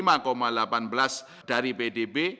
sejalan dengan kebijakan moneter akomodatif bank indonesia